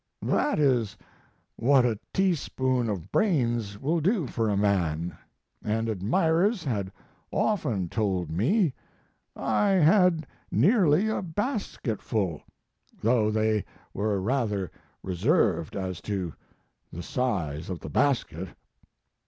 That is what a teaspoonful of brains will do for a man, and admirers had often told me I had nearly a basketful, though they were rather reserved as to the size of the basket.